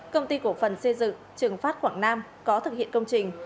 công ty cổ phần xây dựng trường phát quảng nam có thực hiện công trình